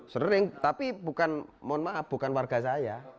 sering tapi bukan mohon maaf bukan warga saya